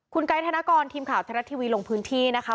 คุณไกด์ธนกรทีมข่าวไทยรัฐทีวีลงพื้นที่นะคะ